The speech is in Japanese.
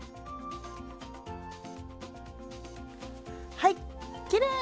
はいきれい！